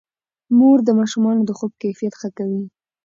مور د ماشومانو د خوب کیفیت ښه کوي.